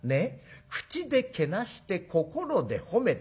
『口でけなして心で褒めて』